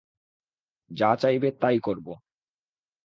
যা চাইবে তাই করবো।